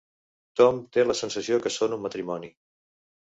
Tom té la sensació que són un matrimoni.